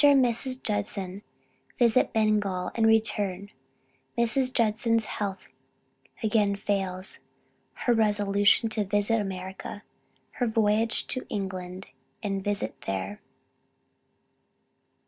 AND MRS. JUDSON VISIT BENGAL AND RETURN. MRS. JUDSON'S HEALTH AGAIN FAILS. HER RESOLUTION TO VISIT AMERICA. HER VOYAGE TO ENGLAND AND VISIT THERE.